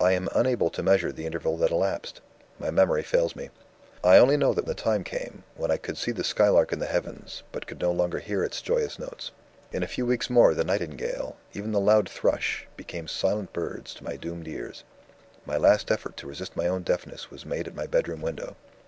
"I am unable to measure the interval that elapsed: my memory fails me. I only know that the time came, when I could see the skylark in the heavens, but could no longer hear its joyous notes. In a few weeks more the nightingale, and even the loud thrush, became silent birds to my doomed ears. My last effort to resist my own deafness was made at my bedroom window.